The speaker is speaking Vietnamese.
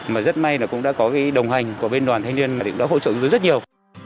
mà rất may là cũng đã có cái đồng hành của bên đoàn thanh niên mà cũng đã hỗ trợ chúng tôi rất nhiều